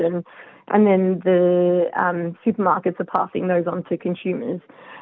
dan kemudian pasar supermarken yang menyerahkan itu kepada pengguna